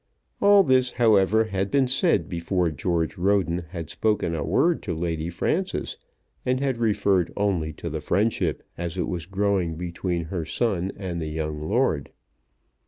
All this, however, had been said before George Roden had spoken a word to Lady Frances, and had referred only to the friendship as it was growing between her son and the young lord.